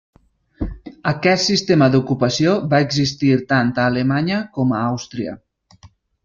Aquest sistema d'ocupació va existir tant a Alemanya com a Àustria.